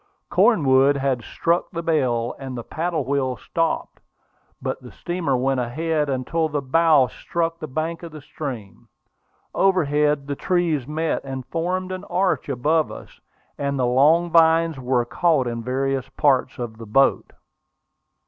Cornwood had struck the bell, and the paddle wheel stopped. But the steamer went ahead until the bow struck the bank of the stream. Overhead the trees met, and formed an arch above us, and the long vines were caught in various parts of the boat.